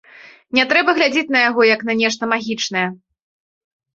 Не трэба глядзець на яго як на нешта магічнае.